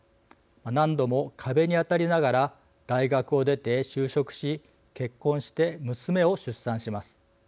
何度も壁に当たりながら大学を出て就職し結婚して娘を出産します。